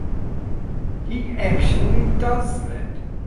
He actually does that.